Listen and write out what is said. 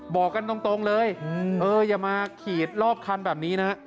บอกกันตรงเลยเอออย่ามาขีดรอบคันแบบนี้นะฮะ